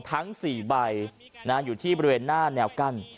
ทั้ง๔ใบอยู่ที่บริเวณหน้าแนวกั้น